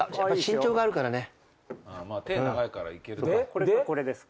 これかこれです。